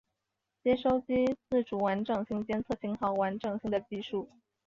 接收机自主完整性监测信号完整性的技术。